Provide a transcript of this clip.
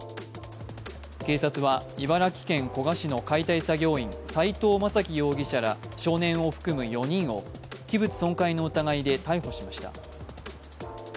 警察は、茨城県古河市の解体作業員斉藤雅樹容疑者ら少年を含む４人を器物損壊の疑いで逮捕しました。